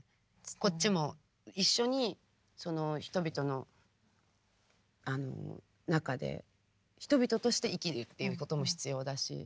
こっちも一緒にその人々の中で人々として生きるっていうことも必要だし。